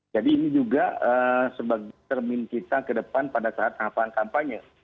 jadi ini juga sebagai termin kita ke depan pada saat tampan kampanye